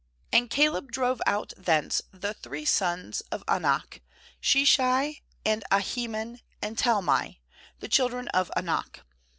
14And Caleb drove out thence the three sons of Anak, Sheshai, and Ahiman, and Talmai, the children of Anak.